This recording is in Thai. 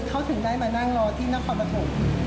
เขาถึงได้มานั่งรอที่นครปฐม